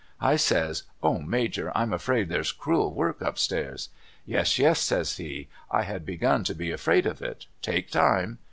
I says ' 0 Major I'm afraid there's cruel work up stairs.' ' Yes yes,' says he ' I had begun to be afraid of it — take time.'